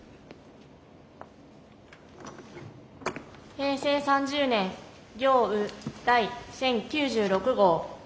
平成３０年行ウ第１０９６号。